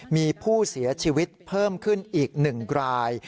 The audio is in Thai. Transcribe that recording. มีผู้เสียชีวิตเพิ่มขึ้นอีก๑ราย